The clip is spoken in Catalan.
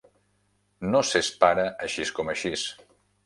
No s'és pare axis com axis